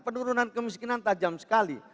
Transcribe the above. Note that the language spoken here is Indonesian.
penurunan kemiskinan tajam sekali